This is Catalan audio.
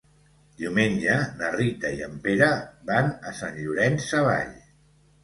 Diumenge na Rita i en Pere van a Sant Llorenç Savall.